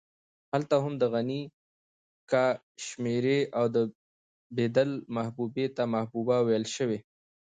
هلته هم د غني کاشمېري او د بېدل محبوبې ته محبوبه ويل شوې.